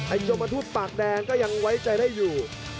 ไอ้โจมตุปากแดงก็ยังไว้ใจได้อยู่